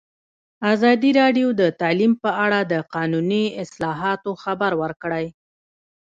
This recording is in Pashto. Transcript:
ازادي راډیو د تعلیم په اړه د قانوني اصلاحاتو خبر ورکړی.